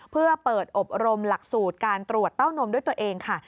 เพื่อเปิดอบรมหลักสูตรการตรวจเต้านมด้วยตัวเองค่ะ